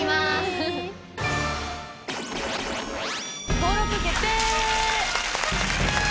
登録決定！